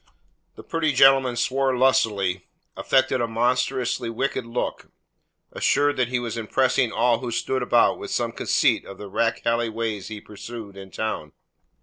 The pretty gentleman swore lustily, affected a monstrous wicked look, assured that he was impressing all who stood about with some conceit of the rakehelly ways he pursued in town.